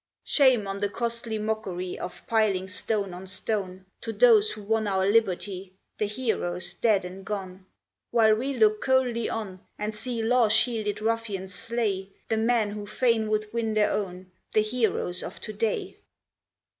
Shame on the costly mockery of piling stone on stone To those who won our liberty, the heroes dead and gone, While we look coldly on, and see law shielded ruffians slay The men who fain would win their own, the heroes of to day!